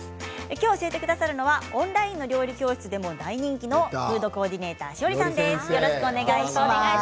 きょう教えてくださるのはオンラインの料理教室でも大人気のフードコーディネーターＳＨＩＯＲＩさんです。